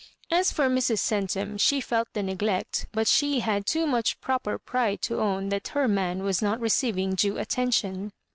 As for Mrs. Centum, she felt the neglect, but she had too much proper pride to own that her man was not reoeiving due attention.